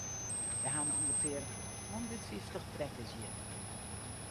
We ha no ûngefear hondert fyftich trekkers hjir.